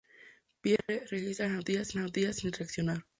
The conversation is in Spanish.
Pierre registra las noticias sin reaccionar.